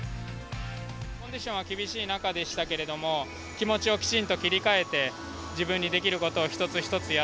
コンディションは厳しい中でしたけれども気持ちをきちんと切り替えて自分にできることを一つ一つやっていく。